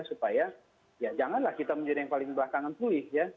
supaya ya janganlah kita menjadi yang paling belakangan pulih ya